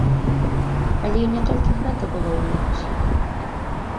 Але і не толькі гэта было ў іх усіх.